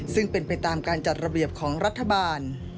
ซึ่งเป็นไปตามการจัดระเบียบของรัฐบาล